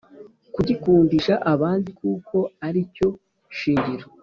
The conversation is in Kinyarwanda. kugikundisha abandi kuko ari cyo shingiro